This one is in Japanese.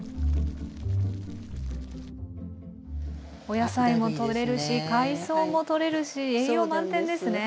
お野菜もとれるし海藻もとれるし栄養満点ですね。